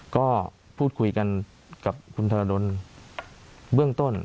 ก็พูดคุยกันกับคุณธรดลเบื้องต้น